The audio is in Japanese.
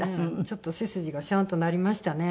ちょっと背筋がしゃんとなりましたね。